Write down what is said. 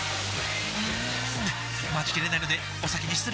うーん待ちきれないのでお先に失礼！